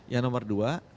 yang nomor dua